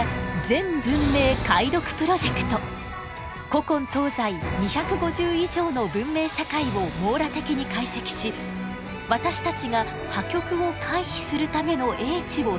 古今東西２５０以上の文明社会を網羅的に解析し私たちが破局を回避するための英知を探ります。